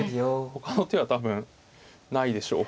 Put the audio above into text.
ほかの手は多分ないでしょう。